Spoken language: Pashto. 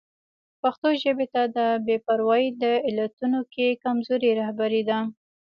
پښتو ژبې ته د بې پرواهي د علتونو کې کمزوري رهبري ده.